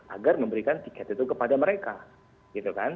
agar memberikan tiket itu kepada mereka gitu kan